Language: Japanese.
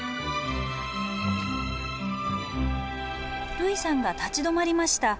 類さんが立ち止まりました。